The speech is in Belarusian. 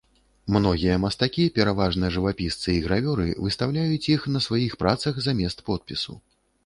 Многія мастакі, пераважна жывапісцы і гравёры, выстаўляюць іх на сваіх працах замест подпісу.